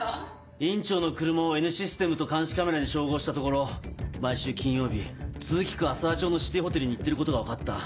院長の車をＮシステムと監視カメラで照合したところ毎週金曜日都筑区浅田町のシティーホテルに行っていることが分かった。